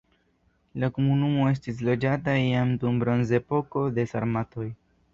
La komunumo estis loĝata jam dum la bronzepoko, de sarmatoj.